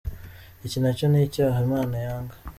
Iki nacyo ni icyaha Imana yanga.